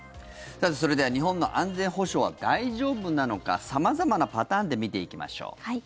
それでは日本の安全保障は大丈夫なのか様々なパターンで見ていきましょう。